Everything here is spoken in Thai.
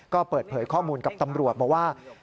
ก็เปิดเผยข้อมูลกับตำรวจบอกว่า